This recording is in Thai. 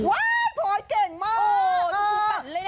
ว้าวพอร์ตเก่งมาก